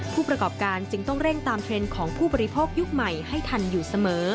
ผู้ประกอบการจึงต้องเร่งตามเทรนด์ของผู้บริโภคยุคใหม่ให้ทันอยู่เสมอ